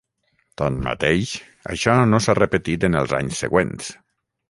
Tanmateix, això no s'ha repetit en els anys següents.